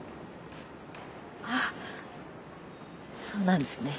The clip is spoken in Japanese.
あっそうなんですね。